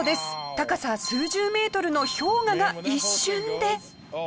高さ数十メートルの氷河が一瞬で。